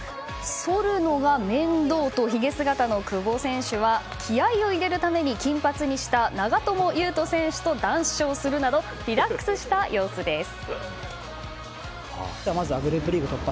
そるのが面倒とひげ姿の久保選手は気合を入れるために金髪にした長友佑都選手と談笑するなどリラックスした様子です。